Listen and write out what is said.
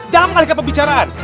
jangan mengalihkan pembicaraan